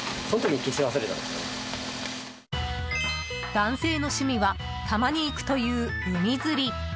男性の趣味はたまに行くという海釣り。